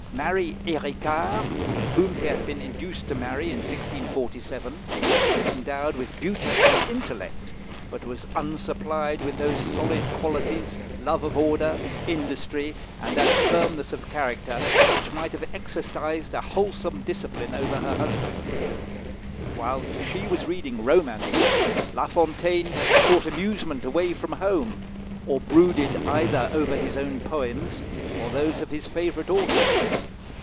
Marie Héricart, whom he had been induced to marry in 1647, was endowed with beauty and intellect, but was unsupplied with those solid qualities, love of order, industry, and that firmness of character which might have exercised a wholesome discipline over her husband. Whilst she was reading romances, La Fontaine sought amusement away from home, or brooded either over his own poems or those of his favourite authors.